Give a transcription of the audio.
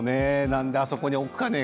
なんであそこに置くかね